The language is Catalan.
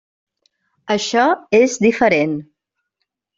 Això és diferent.